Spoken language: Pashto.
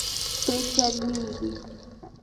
پرې شرمېږي.